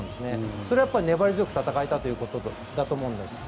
それが粘り強く戦えたということだと思います。